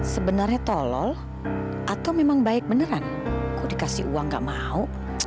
sebenarnya tolong atau memang baik beneran kok dikasih uang gak mau